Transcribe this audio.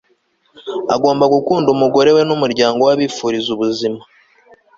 agomba gukunda umugore we n'umuryango we abifuriza ubuzima